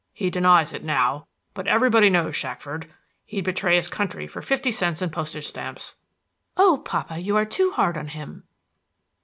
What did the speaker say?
He denies it now, but everybody knows Shackford. He'd betray his country for fifty cents in postage stamps." "Oh, papa! you are too hard on him."